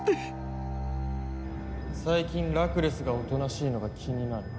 最近ラクレスがおとなしいのが気になる。